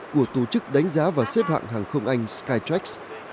của tổ chức đánh giá và xếp hạng hàng không anh skytrax